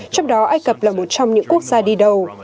trong đó ai cập là một trong những quốc gia đi đầu